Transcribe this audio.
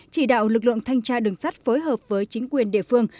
chỉ đạo lực lượng thanh tra đường sắt phối hợp với chính quyền địa phương